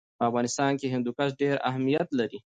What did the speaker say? په افغانستان کې هندوکش ډېر اهمیت لري.